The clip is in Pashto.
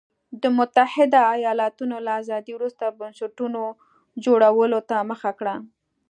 د متحده ایالتونو له ازادۍ وروسته بنسټونو جوړولو ته مخه کړه.